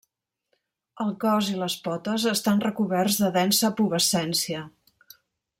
El cos i les potes estan recoberts de densa pubescència.